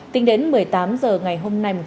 tính đến một mươi tám h ngày hôm nay